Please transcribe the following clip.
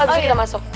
abis itu kita masuk